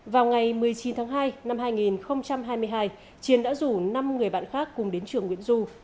vào ngày một mươi chín tháng hai năm hai nghìn hai mươi hai chiến đã rủ năm người bạn khác cùng đến trường nguyễn du